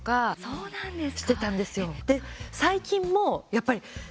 そうなんですね。